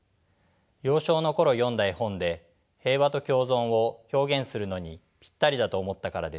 幼少の頃読んだ絵本で平和と共存を表現するのにピッタリだと思ったからです。